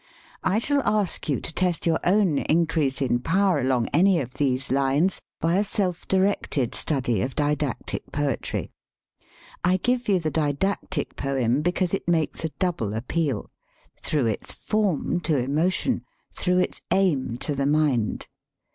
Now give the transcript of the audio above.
I shall ask you to test your own increase in power along any of these lines by a self directed study of didactic poetry. I give you the didactic poem because it makes a double appeal: through its form to emotion; through its aim to the mind.